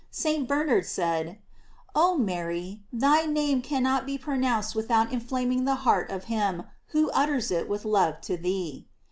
St. Bernard said: Oh Mary, thy name cannot be pronounced without in flaming the heart of him who utters it with love to thee.